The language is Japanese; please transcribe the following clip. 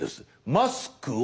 マスクを。